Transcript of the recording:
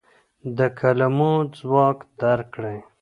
د کلمو ځواک درک کړئ.